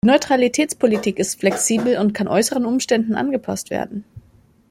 Die Neutralitätspolitik ist flexibel und kann äusseren Umständen angepasst werden.